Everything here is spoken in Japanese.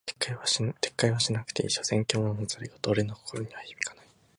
撤回はしなくていい、所詮獣の戯言俺の心には響かない。